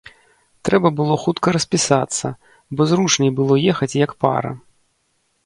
Трэба было хутка распісацца, бо зручней было ехаць як пара.